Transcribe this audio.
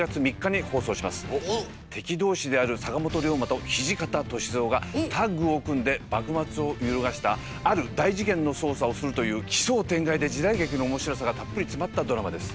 敵同士である坂本龍馬と土方歳三がタッグを組んで幕末を揺るがしたある大事件の捜査をするという奇想天外で時代劇の面白さがたっぷり詰まったドラマです。